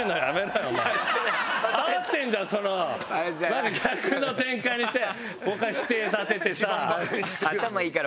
なんか逆の展開にして他否定させてさ。